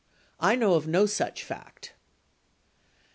I know of no such fact.